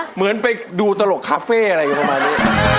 เหมือนไปดูตลกคาเฟ่อะไรประมาณนี้